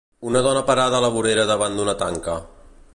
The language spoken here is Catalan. Una dona parada a la vorera davant d'una tanca.